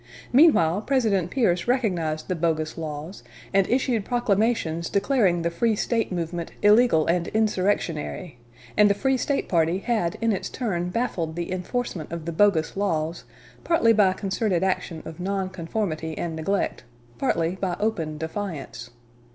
Meanwhile, President Pierce recognized the bogus laws, and issued proclamations declaring the free State movement illegal and insurrectionary; and the free State party had in its turn baffled the enforcement of the bogus laws, partly by concerted action of nonconformity and neglect, partly by open defiance.